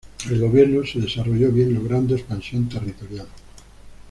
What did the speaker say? El gobierno se desarrolló bien logrando expansión territorial.